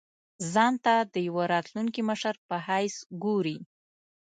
ځان ته د یوه راتلونکي مشر په حیث ګوري.